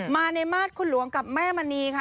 มาในมาตรคุณหลวงกับแม่มณีค่ะ